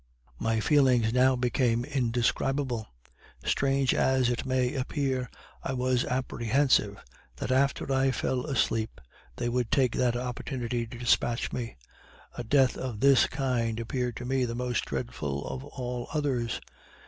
My feelings now became indescribable. Strange as it may appear, I was apprehensive that after I fell asleep they would take that opportunity to despatch me; a death of this kind appeared to me the most dreadful of all others.